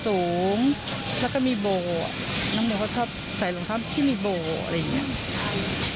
สูงแล้วก็มีโบน้องเบลเขาชอบใส่รองเท้าที่มีโบอะไรอย่างนี้